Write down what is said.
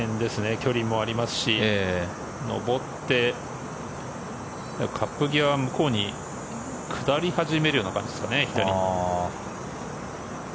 距離もありますし上ってカップ際、向こうに下り始めるような感じですかね左に。